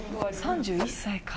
３１歳か。